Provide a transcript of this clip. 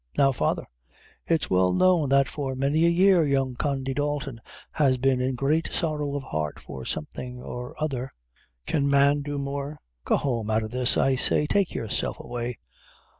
Now, father, it's well known that for many a long year Condy Dalton has been in great sorrow of heart for something or other; can man do more?" "Go home out o' this, I say; take yourself away."